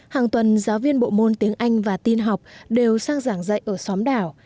hàng tuần giáo viên bộ môn tiếng anh và tin học đều sang giảng dạy ở xóm đảo